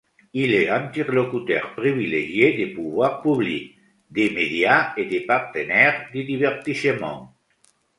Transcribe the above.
Il est l’interlocuteur privilégié des pouvoirs publics, des médias et des partenaires du divertissement.